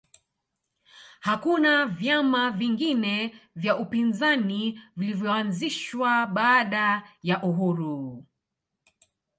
hakuna vyama vingine vya upinzani vilivyoanzishwa baada ya uhuru